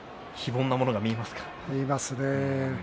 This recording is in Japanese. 見えますよ。